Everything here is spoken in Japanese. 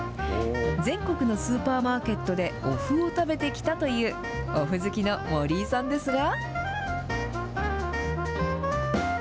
全国のスーパーマーケットでおふを食べてきたという、おふ好きの森井さんですが。